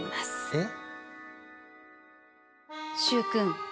えっ？